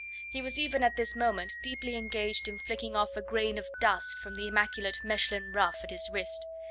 He was even at this moment deeply engaged in flicking off a grain of dust from the immaculate Mechlin ruff at his wrist.